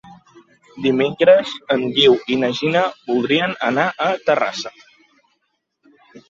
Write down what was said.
Dimecres en Guiu i na Gina voldrien anar a Terrassa.